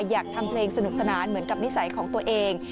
อยากทำเพลงสนุกสนานเหมือนกับนิสัยของตัวเอง